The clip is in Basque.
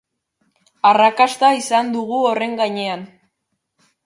Arrakasta izan dugu horren gainean.